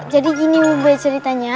jadi gini be ceritanya